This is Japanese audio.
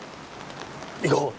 行こう！